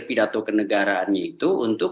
pidato kenegaraan itu untuk